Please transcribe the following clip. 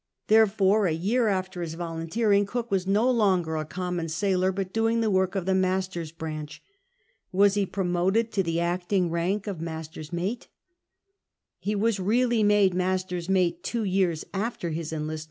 Therefore, a year after his volunteering, Cook was no longer a common sailor, but doing the work of the master's branch. Was he promoted to the acting rank of master's mate 1 He was really made master's mate two years after his cnlistnie?